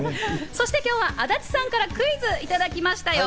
そして今日は安達さんからクイズをいただきましたよ。